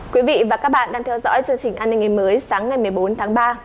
quý vị và các bạn đang theo dõi chương trình an ninh ngày mới sáng ngày một mươi bốn tháng ba